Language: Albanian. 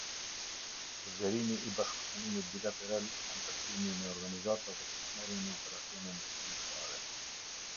Zgjerimi i bashkëpunimit bilateral, anëtarësimi në organizata dhe pjesëmarrja në operacione ndërkombëtare.